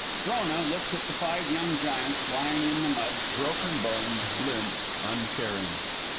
Frona looked at the five young giants lying in the mud, broken boned, limp, uncaring.